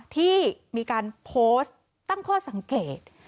ที่มีการโพสต์ตั้งข้อสังเกต